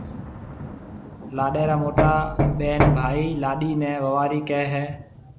لاڏيَ را موٽا ٻين ڀائي لاڏيِ نَي ووارِي ڪهيَ هيَ۔